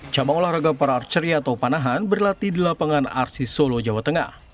cabang olahraga para arceri atau panahan berlatih di lapangan arsi solo jawa tengah